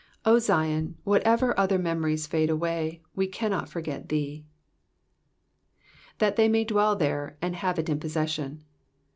O Zion, whatever other memories fade away, we cannot forget thee. ^^ That they may dwell there, and have it in possesion.''